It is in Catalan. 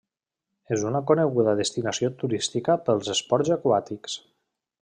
És una coneguda destinació turística pels esports aquàtics.